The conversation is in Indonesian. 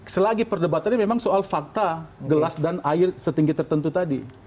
selagi perdebatannya memang soal fakta gelas dan air setinggi tertentu tadi